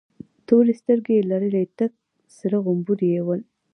تورې سترگې يې لرلې، تک سره غمبوري یې ول.